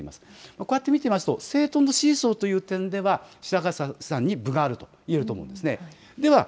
こうやって見てみると政党の支持層という点では白坂さんに分があるといえると思います。